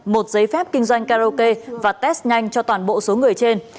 một giấy phép kinh doanh karaoke và test nhanh cho toàn bộ số người trên